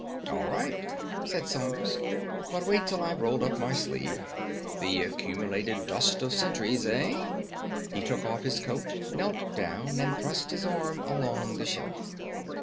"All right," said Saunders; "but wait till I've rolled up my sleeve. The accumulated dust of centuries, eh?" He took off his coat, knelt down, and thrust his arm along the shelf.